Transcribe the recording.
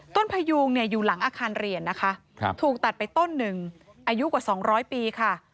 ต้นพยูงเนี้ยอยู่หลังอาคารเรียนนะคะครับถูกตัดไปต้นหนึ่งอายุกว่าสองร้อยปีค่ะ